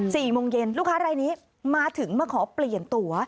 สี่โมงเย็นลูกค้ารายนี้มาถึงมาขอเปลี่ยนตัว